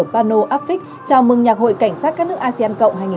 pano affix chào mừng nhạc hội cảnh sát các nước asean cộng hai nghìn hai mươi hai